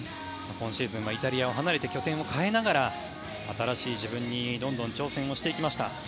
今シーズンはイタリアを離れて拠点を変えながら新しい自分にどんどん挑戦をしていきました。